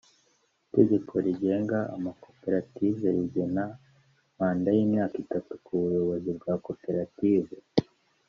Itegeko rigenga amakoperative rigena manda y’imyaka itatu ku buyobozi bwa koperative